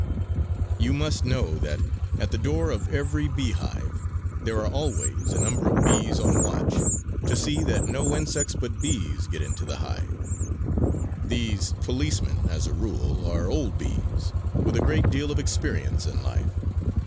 You must know that, at the door of every beehive, there are always a number of bees on watch, to see that no insects but bees get into the hive. These policemen, as a rule, are old bees, with a great deal of experience in life.